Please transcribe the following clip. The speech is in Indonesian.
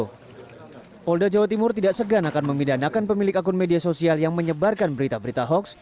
kapolda jawa timur tidak segan akan memidanakan pemilik akun media sosial yang menyebarkan berita berita hoax